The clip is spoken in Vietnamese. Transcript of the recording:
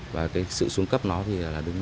và sự xuống cấp nó thì